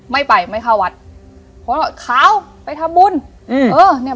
ไม่ไปไม่เข้าวัดเพราะว่าขาวไปทำบุญอืมเออเนี้ย